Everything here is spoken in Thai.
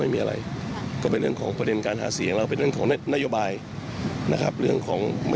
ไม่เข้าใจเท่าเดิมครับเหมือนเดิมไม่ได้เปรียบแรงรู้ดีอยู่แล้วว่าอะไรเป็นอะไร